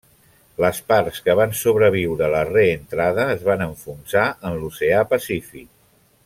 Les parts que van sobreviure a la reentrada es van enfonsar en l'Oceà Pacífic.